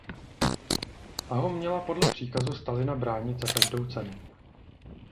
Ta ho měla podle příkazu Stalina bránit za každou cenu.